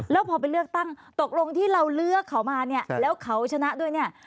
แล้วพอไปเลือกตั้งตกลงที่เราเลือกเขามาเนี่ยแล้วเขาชนะด้วยเนี่ย